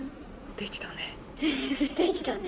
できたね。